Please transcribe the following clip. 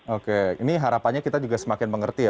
oke ini harapannya kita juga semakin mengerti ya